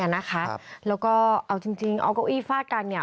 แล้วก็เอาจริงอัลกาวอี้ฟาดกัน